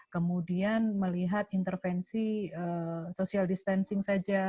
kemudian melihat intervensi social distancing saja